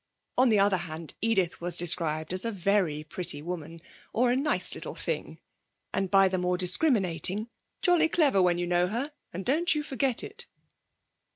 On the other hand, Edith was described as a very pretty woman, or a nice little thing, and by the more discriminating, jolly clever when you know her, and don't you forget it.